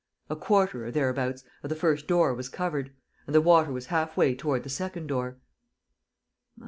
A quarter, or thereabouts, of the first door was covered; and the water was half way toward the second door.